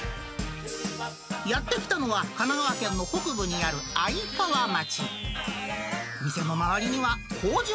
やって来たのは、神奈川県の北部にある愛川町。